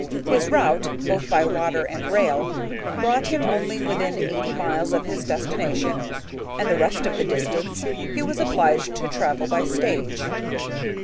His route, both by water and rail, brought him only within eighty miles of his destination, and the rest of the distance he was obliged to travel by stage.